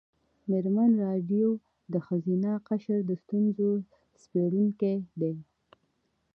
مېرمن راډیو د ښځینه قشر د ستونزو سپړونکې ده.